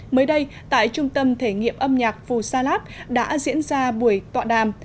mới đây tại trung tâm thể nghiệm âm nhạc phù sa lát đã diễn ra buổi tọa đàm